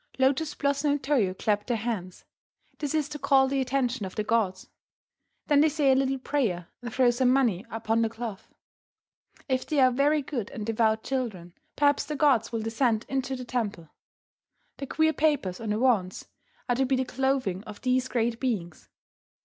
Lotus Blossom and Toyo clap their hands. This is to call the attention of the gods. Then they say a little prayer and throw some money upon the cloth. If they are very good and devout children, perhaps the gods will descend into the temple. The queer papers on the wands are to be the clothing of these great beings.